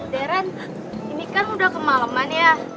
deren ini kan udah kemaleman ya